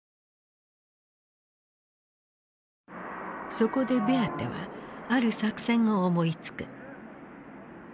そこでベアテはある作戦を思いつく。